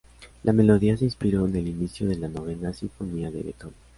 La melodía se inspiró en el inicio de la novena sinfonía de Beethoven.